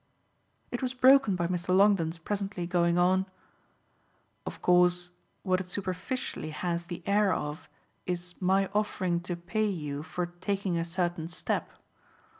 It was broken by Mr. Longdon's presently going on: "Of course what it superficially has the air of is my offering to pay you for taking a certain step.